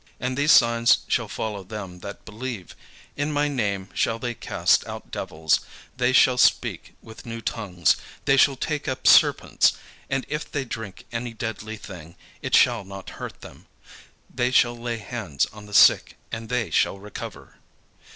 And these signs shall follow them that believe; in my name shall they cast out devils; they shall speak with new tongues; they shall take up serpents; and if they drink any deadly thing, it shall not hurt them; they shall lay hands on the sick, and they shall recover."